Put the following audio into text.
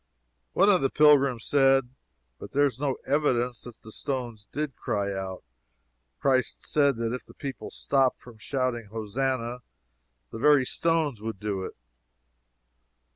One of the pilgrims said, "But there is no evidence that the stones did cry out Christ said that if the people stopped from shouting Hosannah, the very stones would do it."